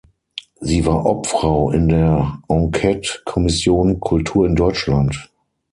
Sie war Obfrau in der Enquete-Kommission „Kultur in Deutschland“.